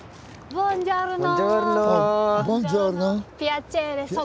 ボンジョルノ。